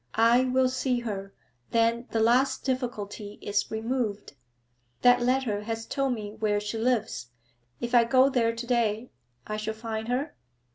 I will see her, then the last difficulty is removed. That letter has told me where she lives. If I go there to day, I shall find her?'